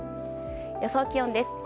予想気温です。